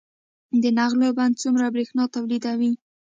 د نغلو بند څومره بریښنا تولیدوي؟